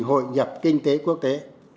hội nhập kinh tế quốc tế